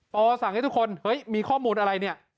สั่งให้ทุกคนเฮ้ยมีข้อมูลอะไรเนี่ย